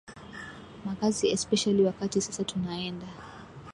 makazi especially wakati sasa tunaenda